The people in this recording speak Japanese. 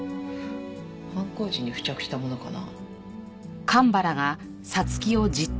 犯行時に付着したものかな？